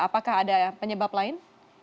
apakah ada penyebab lain